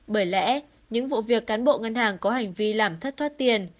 bởi lẽ những vụ việc cán bộ ngân hàng có hành vi làm thất thoát tiền